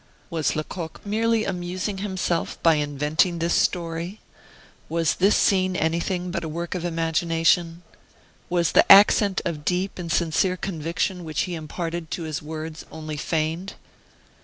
Was Lecoq merely amusing himself by inventing this story? Was this scene anything but a work of imagination? Was the accent of deep and sincere conviction which he imparted to his words only feigned?